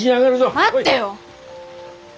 待ってよ！